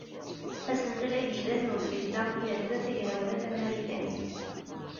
Asentel agejdan n udlis-a yerza tagrawla tamarikanit.